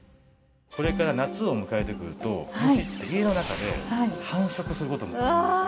これから夏を迎えてくると虫って家の中で繁殖する事もあるんですよ。